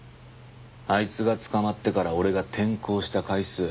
あいつが捕まってから俺が転校した回数。